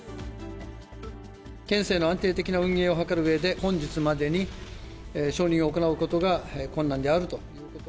県政の安定的な運営を図るうえで、本日までに承認を行うことが困難であると。